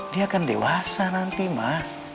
dia akan dewasa nanti mah